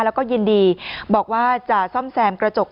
แล้วก็ยินดีบอกว่าจะซ่อมแซมกระจก